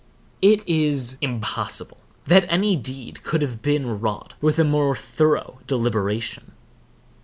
It is impossible that any deed could have been wrought with a more thorough deliberation.